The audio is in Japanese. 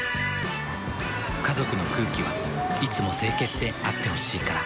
家族の空気はいつも清潔であってほしいから。